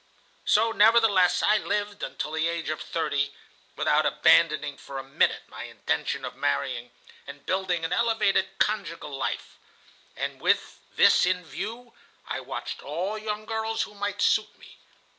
"So, nevertheless, I lived, until the age of thirty, without abandoning for a minute my intention of marrying, and building an elevated conjugal life; and with this in view I watched all young girls who might suit me.